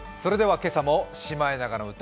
今朝も「シマエナガの歌」